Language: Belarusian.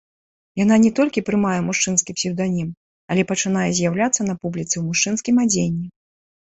Яна не толькі прымае мужчынскі псеўданім, але пачынае з'яўляцца на публіцы ў мужчынскім адзенні.